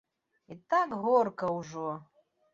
І так горка ўжо!